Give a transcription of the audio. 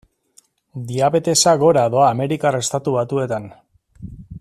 Diabetesa gora doa Amerikar Estatu Batuetan.